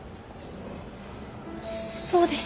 そうです